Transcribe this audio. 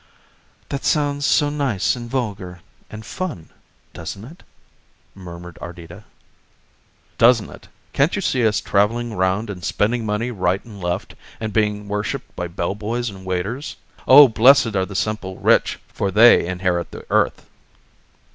"That sounds so nice and vulgar and fun, doesn't it?" murmured Ardita. "Doesn't it? Can't you see us travelling round and spending money right and left, and being worshipped by bell boys and waiters? Oh, blessed are the simple rich for they inherit the earth!"